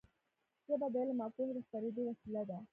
ژبه د علم او پوهې د خپرېدو وسیله ده.